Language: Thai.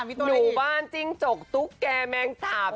หมู่บ้านจิ้งจกตุ๊กแก่แมงสาบ